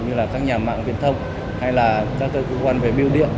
như là các nhà mạng viễn thông hay là các cơ quan về biêu điện